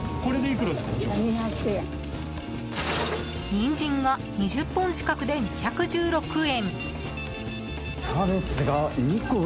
ニンジンが２０本近くで２１６円。